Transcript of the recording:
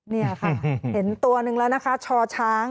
นี่ค่ะเห็นตัวหนึ่งแล้วนะคะชอช้าง